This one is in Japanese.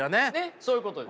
そういうことです。